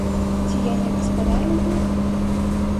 Ці я не гаспадарыў тут?